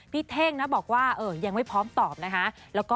เท่งนะบอกว่ายังไม่พร้อมตอบนะคะ